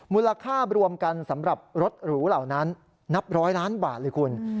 มูลค่ารวมกันสำหรับรถหรูเหล่านั้นนับร้อยล้านบาทเลยคุณ